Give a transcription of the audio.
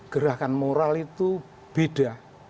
gerakan moral itu beda